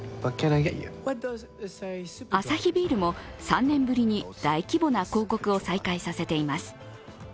アサヒビールも３年ぶりに大規模な広告を再開させています。